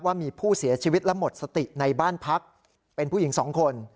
ว่ามีผู้เสียชีวิตและหมดสติในบ้านพักเป็นผู้หญิงสองคน